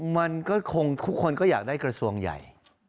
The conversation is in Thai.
มันก็คงทุกคนก็อยากได้กระทรวงใหญ่